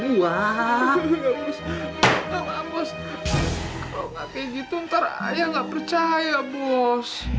kalau gak kayak gitu ntar ayah gak percaya bos